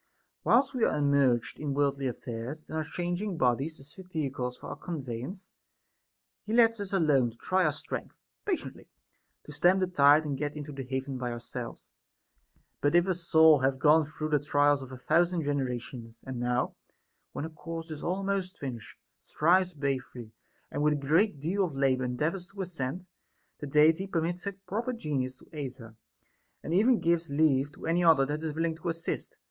Whilst we are immersed in worldly affairs, and are changing bodies, as fit vehicles for our conveyance, he lets us alone to try our strength, patiently to stem the tide and get into the haven by ourselves ; but if a soul hath gone through the trials of a thousand generations, and now, when her course is almost finished, strives bravely, and with a great deal of labor endeavors to ascend, the Deity permits her proper Genius to aid her, and even gives leave to any other , that is willing to assist.